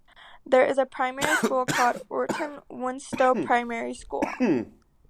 There is a primary school called Orton Wistow Primary School.